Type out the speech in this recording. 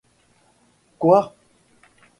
Quoi !